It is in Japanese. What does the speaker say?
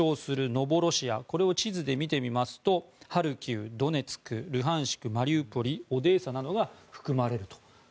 ノボロシアこれを地図で見てみますとハルキウ、ドネツクルハンシク、マリウポリオデーサなどが含まれると。